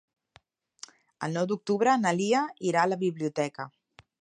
El nou d'octubre na Lia irà a la biblioteca.